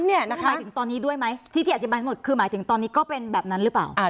หมายถึงตอนนี้ด้วยไหมที่ที่อธิบายหมดคือหมายถึงตอนนี้ก็เป็นแบบนั้นหรือเปล่า